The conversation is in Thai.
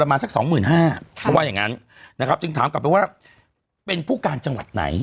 มาสักสองหมื่นห้าเขาว่าอย่างนั้นนะครับจึงถามกลับไปว่าเป็นผู้การจังหวัดไหน